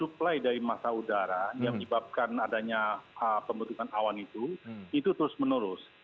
supply dari masa udara yang menyebabkan adanya pembentukan awan itu itu terus menerus